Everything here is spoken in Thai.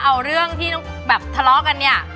เอาเรื่องที่ต้องแบบทะเลาะกันเนี่ย